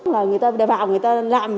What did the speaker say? là người ta vào người ta đưa tiền